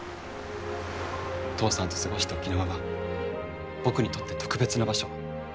父さんと過ごした沖縄は僕にとって特別な場所。